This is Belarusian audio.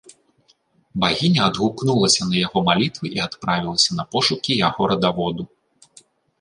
Багіня адгукнулася на яго малітвы і адправілася на пошукі яго радаводу.